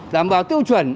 đảm bảo tiêu chuẩn